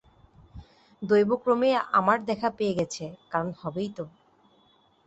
দৈবক্রমেই আমার দেখা পেয়ে গেছে, কারণ হবেই তো।